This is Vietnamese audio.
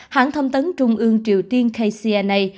hãng thông tấn trung ương triều tiên kcna